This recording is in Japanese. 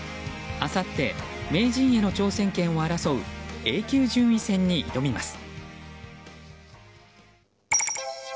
あさって名人への挑戦権を争うＡ級順位戦に挑みます。